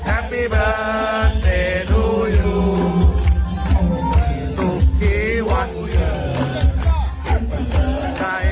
อายุเยินปอดโลกปอดใคร